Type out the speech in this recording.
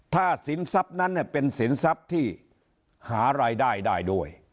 ถ้าสินทรัพย์นั้นเป็นสินทรัพย์ที่หารายได้ได้ด้วย